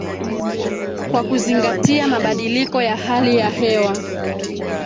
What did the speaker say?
kwa kuzingatia mabadiliko ya hali ya hewa